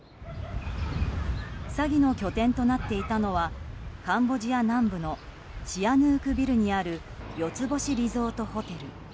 詐欺の拠点となっていたのはカンボジア南部のシアヌークビルにある四つ星リゾートホテル。